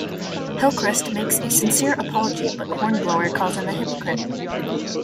Hillcrist makes a sincere apology but Hornblower calls him a hypocrite.